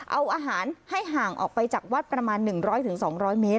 เอาอาหารให้ห่างออกไปจากวัดประมาณ๑๐๐๒๐๐เมตร